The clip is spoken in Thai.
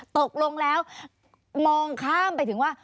ตกลงแล้วมองข้ามไปถึงว่า